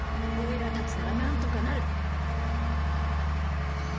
オイラたちならなんとかなる。